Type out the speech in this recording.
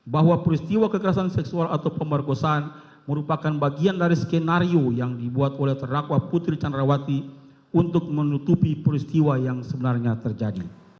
bahwa peristiwa kekerasan seksual atau pemerkosaan merupakan bagian dari skenario yang dibuat oleh terdakwa putri candrawati untuk menutupi peristiwa yang sebenarnya terjadi